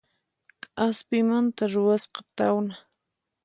K'aspimanta ruwasqa tawna